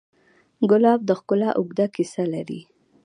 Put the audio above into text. ګلاب د ښکلا اوږده کیسه لري.